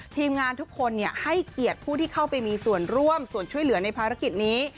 ทีมงานทุกคนให้เกียรติผู้ที่เข้าไปมีส่วนร่วมส่วนช่วยเหลือในภารกิจนี้